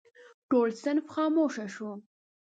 ټول صنف خاموش شو.